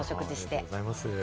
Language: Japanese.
ありがとうございます。